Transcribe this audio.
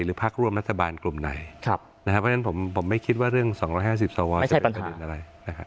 พักร่วมรัฐบาลกลุ่มไหนนะครับเพราะฉะนั้นผมไม่คิดว่าเรื่อง๒๕๐สวจะเป็นประเด็นอะไรนะครับ